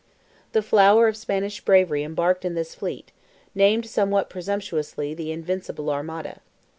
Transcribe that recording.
The flower of Spanish bravery embarked in this fleet, named somewhat presumptuously "the invincible armada."